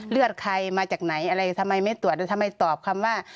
เลือดใครมาจากไหนอะไรทำไมไม่ตรวจแล้วทำไมตอบคำว่า